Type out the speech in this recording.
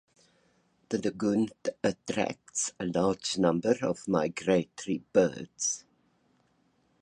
The lagoon attracts a large number of migratory birds.